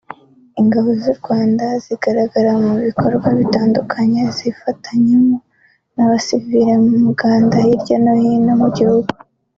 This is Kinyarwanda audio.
Ingabo z’u Rwanda zigaragara mu bikorwa bitandukanye zifatanyamo n’abasivili mu muganda hirya no hino mu gihugu